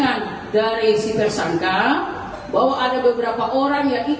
terangan dari si tersangka bahwa ada beberapa orang